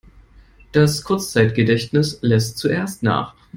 Das Kurzzeitgedächtnis lässt zuerst nach.